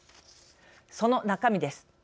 その中身です。